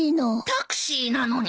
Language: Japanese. タクシーなのに？